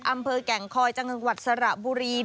อำเภอแก่งคอยจังหวัดสระบุรี